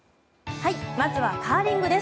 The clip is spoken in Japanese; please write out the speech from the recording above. まずはカーリングです。